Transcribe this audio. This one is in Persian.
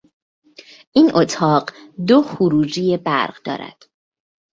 این اتاق دو خروجی برق دارد.